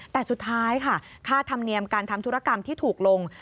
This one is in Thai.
แต่สุดท้ายค่ะค่าธรรมเนียมการทำธุรกรรมที่ถูกลง